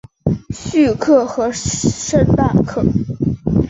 叙克和圣纳克。